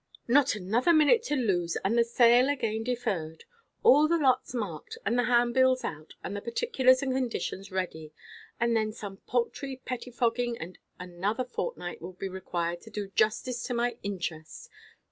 "Not another minute to lose, and the sale again deferred! All the lots marked, and the handbills out, and the particulars and conditions ready; and then some paltry pettifogging, and another fortnight will be required to do 'justice to my interests.